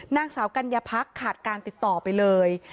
นางสาวกัญญาพักขาดการติดต่อไปเลย